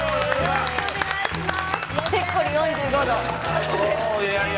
よろしくお願いします。